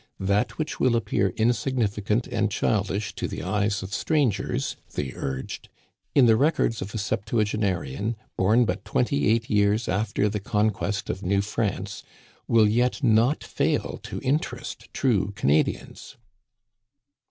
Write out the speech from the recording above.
" That which will appear insignificant and childish to the eyes of strangers," they urged, "in the records of a septuage narian, born but twenty eight years after the conquest of New France, will yet not fail to interest true Cana dians."